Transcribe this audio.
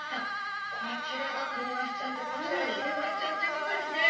こちらがクニマスちゃんでこちらがヒメマスちゃんということですね。